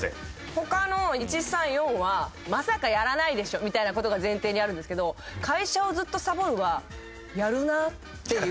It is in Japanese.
他の１３４はまさかやらないでしょみたいな事が前提にあるんですけど「会社をずっとさぼる」はやるなあっていう。